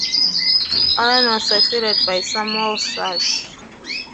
Allen was succeeded by Samuel Sachs.